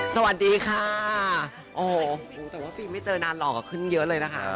สวัสดีค่ะโอ้โหแต่ว่าปีไม่เจอนานหล่อขึ้นเยอะเลยนะคะ